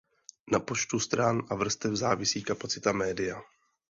Na počtu stran a vrstev závisí kapacita média.